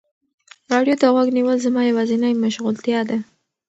راډیو ته غوږ نیول زما یوازینی مشغولتیا ده.